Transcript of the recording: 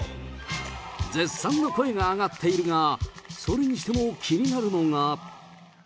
絶賛の声が上がっているが、それにしても気になるのが。